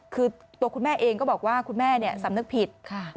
คือตัวคุณแม่เองก็บอกว่าคุณแม่สำนึกผิด